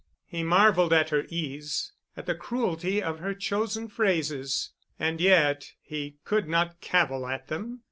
He marveled at her ease, at the cruelty of her chosen phrases. And yet he could not cavil at them.